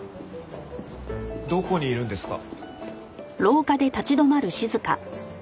どこにいるんですか？